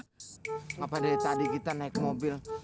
kenapa dari tadi kita naik ke mobil